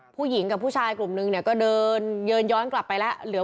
ผู้หญิงกับผู้ชายกลุ่มนึงเนี้ยก็เดินเยือนย้อนกลับไปแล้ว